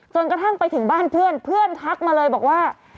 กระทั่งไปถึงบ้านเพื่อนเพื่อนทักมาเลยบอกว่า